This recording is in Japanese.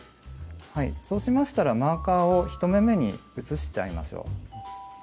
そうしましたらマーカーを１目めに移しちゃいましょう。